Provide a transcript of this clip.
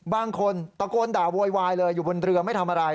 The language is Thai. บางคนตะโกนด่าโวยวายเลยอยู่บนเรือไม่ทำอะไร